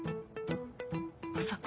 まさか。